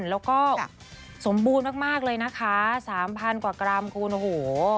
แล้วก็สมบูรณ์มากเลยนะคะสามพันกว่ากรัมคุณโอ้โห